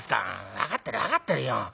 「分かってる分かってるよ」。